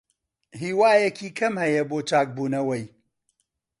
هیوایەکی کەم هەیە بۆ چاکبوونەوەی.